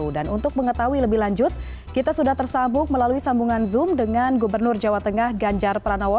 dan untuk mengetahui lebih lanjut kita sudah tersambung melalui sambungan zoom dengan gubernur jawa tengah ganjar pranowo